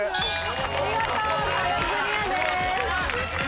見事壁クリアです。